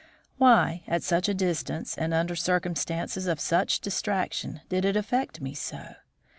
Why, at such a distance and under circumstances of such distraction, did it affect me so?